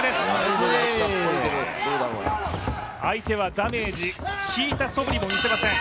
相手はダメージ、きいたそぶりもみせません。